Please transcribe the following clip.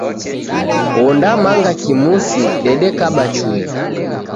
Wondamanga kimusi, dedekaba chui.